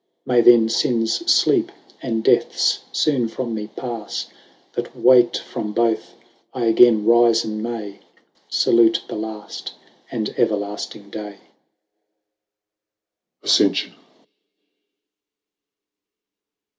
May then finnes fleep, and deaths foone from me pafle, That wak't from both, I againe rifen may Salute the tafty and everlafting day. ASCENTION.